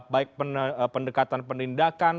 baik pendekatan penindakan